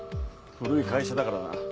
古い会社だからな。